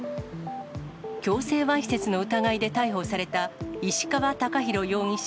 強制わいせつの疑いで逮捕された石川崇弘容疑者